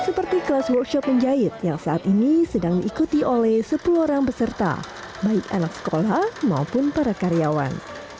seperti kelas workshop menjahit yang saat ini sedang diikuti oleh sepuluh orang peserta baik anak sekolah maupun para karyawan